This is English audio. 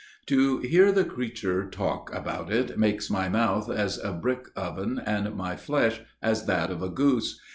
To hear the creature talk about it makes my mouth as a brick kiln and my flesh as that of a goose.